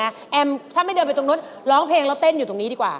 แอมถ้าไม่เดินไปตรงนู้นร้องเพลงแล้วเต้นอยู่ตรงนี้ดีกว่า